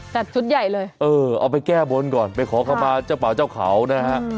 ชุดใหญ่เลยเออเอาไปแก้บนก่อนไปขอเข้ามาเจ้าป่าเจ้าเขานะฮะ